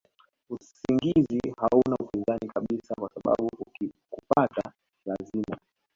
usingizi hauna upinzani kabisa kwasababu ukikupata lazima